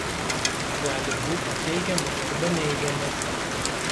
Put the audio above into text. Jis gali būti teigiamas arba neigiamas.